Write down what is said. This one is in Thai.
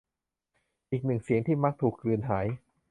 อีกหนึ่งเสียง ที่มักถูกกลืนหาย